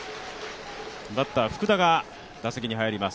バッター・福田が打席に入ります。